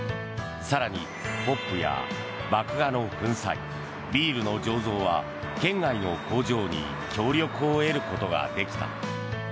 更に、ホップや麦芽の粉砕ビールの醸造は県外の工場に協力を得ることができた。